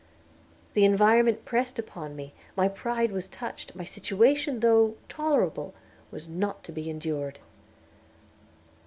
The environment pressed upon me, my pride was touched; my situation, though "tolerable, was not to be endured."